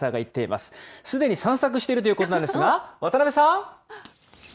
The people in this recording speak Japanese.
すでに散策しているということなんですが、渡辺さん。